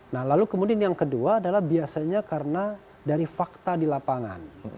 nah lalu kemudian yang kedua adalah biasanya karena dari fakta di lapangan